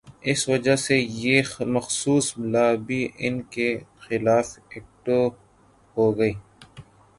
اس وجہ سے یہ مخصوص لابی ان کے خلاف ایکٹو ہو گئی۔